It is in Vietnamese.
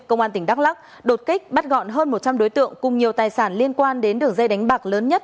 công an tỉnh đắk lắc đột kích bắt gọn hơn một trăm linh đối tượng cùng nhiều tài sản liên quan đến đường dây đánh bạc lớn nhất